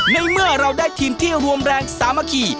ในเมื่อเราได้ทีมที่รวมแรงสามัคคี